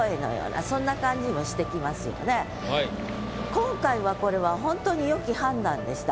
今回はこれはほんとによき判断でした。